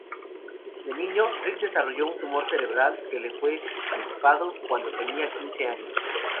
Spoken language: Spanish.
De niño, Rick desarrolló un tumor cerebral que fue extirpado cuando tenía quince años.